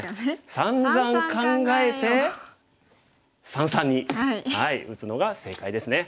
さんざん考えて三々に打つのが正解ですね。